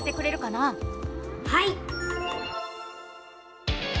はい！